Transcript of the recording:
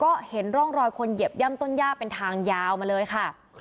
ก็เห็นร่องรอยคนเหยียบย่ำต้นย่าเป็นทางยาวมาเลยค่ะ